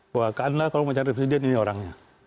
bahwa kan lah kalau mencari presiden ini orangnya